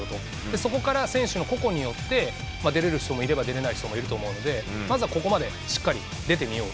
そこから選手、個々によって出れる人もいれば出れない人もいると思うのでまずはここまでしっかり出てみよう。